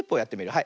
はい。